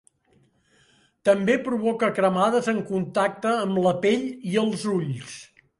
També provoca cremades en contacte amb la pell i els ulls.